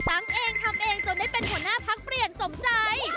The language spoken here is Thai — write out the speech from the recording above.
ตั้งเองทำเองจนได้เป็นหัวหน้าพักเปลี่ยนสมใจ